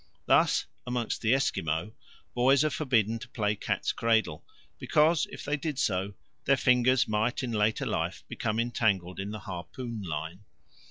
Thus, among the Esquimaux boys are forbidden to play cat's cradle, because if they did so their fingers might in later life become entangled in the harpoon line.